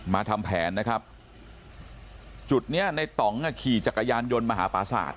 มาทำแผนนะครับจุดเนี่ยนายต๋องขี่จักรยานยนต์มาหาประสาท